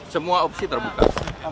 semua opsi terbuka